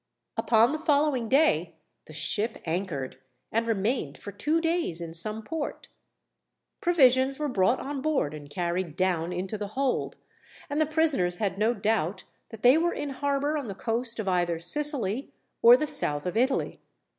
Upon the following day the ship anchored, and remained for two days in some port. Provisions were brought on board and carried down into the hold, and the prisoners had no doubt that they were in harbour on the coast of either Sicily, or the south of Italy.